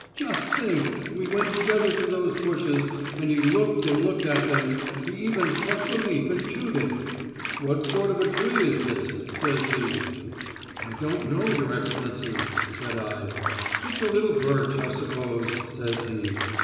"Just think, we went together to those bushes, and he looked and looked at them he even plucked a leaf and chewed it. 'What sort of a tree is this?' says he." "'I don't know, your Excellency,' said I. "'It's a little birch, I suppose,' says he.